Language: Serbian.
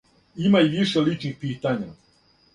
Има и више личних питања.